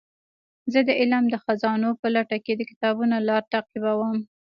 زه د علم د خزانو په لټه کې د کتابونو لار تعقیبوم.